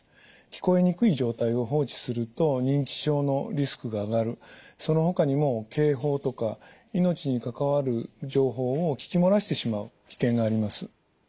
聞こえにくい状態を放置すると認知症のリスクが上がるそのほかにも警報とか命に関わる情報を聞き漏らしてしまう危険があります。